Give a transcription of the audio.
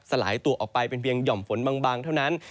ลายตัวออกไปเป็นเพียงห่อมฝนบางเท่านั้น